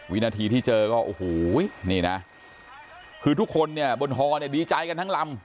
วินาทีที่เจอก็โอ้โหนี่นะคือทุกคนเนี่ยบนฮอเนี่ยดีใจกันทั้งลำ